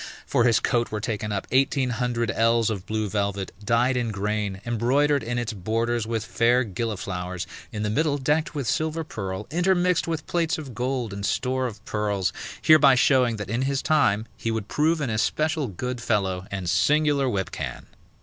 For his coat were taken up eighteen hundred ells of blue velvet, dyed in grain, embroidered in its borders with fair gilliflowers, in the middle decked with silver purl, intermixed with plates of gold and store of pearls, hereby showing that in his time he would prove an especial good fellow and singular whipcan.